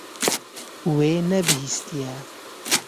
Wê nebihîstiye.